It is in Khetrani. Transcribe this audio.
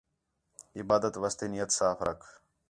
عبادت واسطے نیت صاف رکھ